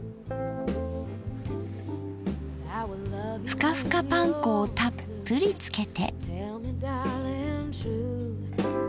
ふかふかパン粉をたっぷりつけて。